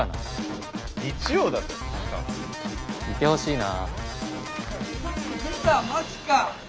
いてほしいな。